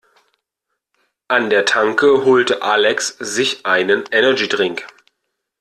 An der Tanke holte Alex sich einen Energy-Drink.